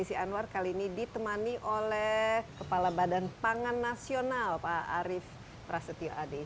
desi anwar kali ini ditemani oleh kepala badan pangan nasional pak arief prasetyo adi